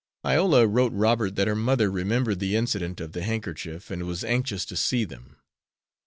Iola wrote Robert that her mother remembered the incident of the handkerchief, and was anxious to see them.